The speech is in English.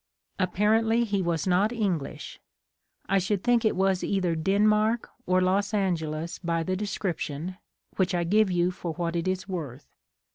Apparently he was not English. I should think it was either Den mark or Los Angeles by the description, which I give you for what it is worth.